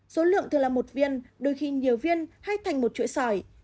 số lượng thường là một viên đôi khi nhiều viên hay thành một chuỗi sỏi